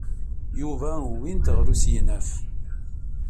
Yuba wwin-t ɣer usegnaf.